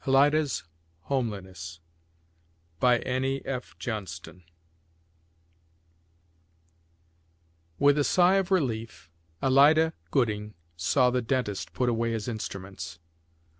ALIDA'S HOMELINESS ALIDA'S HOMELINESS With a sigh of relief Alida Gooding saw the dentist put away his instruments.